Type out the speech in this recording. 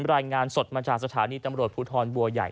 รายงานสดมาจากสถานีตำรวจภูทรบัวใหญ่